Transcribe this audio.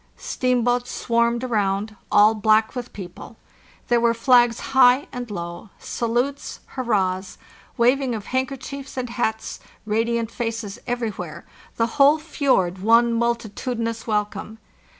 Steamboats swarmed around, all black with people. There were flags high and low, salutes, hurrahs, waving of handkerchiefs and _ hats, ra diant faces everywhere, the whole fjord one multitudi nous welcome.